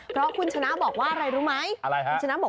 เพราะคุณชนะบอกว่าอะไรรู้ไหม